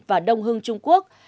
và đông hương trung quốc